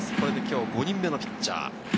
これで５人目のピッチャー。